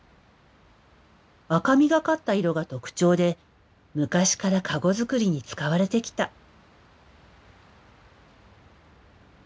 赤みがかった色が特徴で昔からかご作りに使われてきた。